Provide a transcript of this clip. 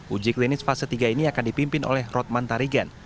uji klinis fase tiga ini akan dipimpin oleh rotman tarigan